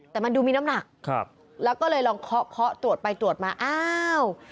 แต่มันดูมีน้ำหนักครับแล้วก็เลยลองเคาะเคาะตรวจไปตรวจมาอ้าว